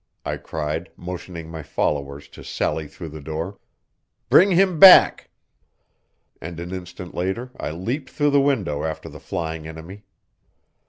I cried, motioning my followers to sally through the door. "Bring him back!" And an instant later I leaped through the window after the flying enemy.